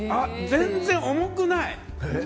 全然重くない！